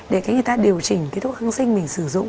để cái người ta điều chỉnh cái thuốc kháng sinh mình sử dụng